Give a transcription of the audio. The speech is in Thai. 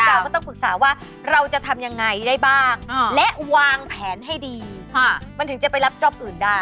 เราก็ต้องปรึกษาว่าเราจะทำยังไงได้บ้างและวางแผนให้ดีมันถึงจะไปรับจ๊อปอื่นได้